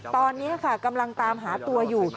ตอนนี้ค่ะกำลังตามหาตัวอยู่